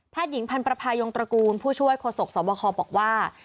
แพทย์หญิงพันธ์ประภายองค์ตระกูลผู้ช่วยโคศกสวบคบอกว่า